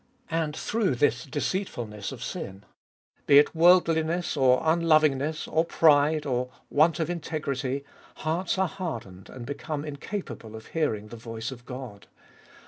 And through this deceitfulness of sin, be it worldli ness, or unlovingness, or pride, or want of integrity, hearts are hardened, and become incapable of hearing the voice of God.